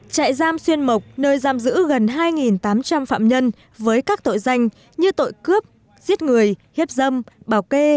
trại giam xuyên mộc nơi giam giữ gần hai tám trăm linh phạm nhân với các tội danh như tội cướp giết người hiếp dâm bảo kê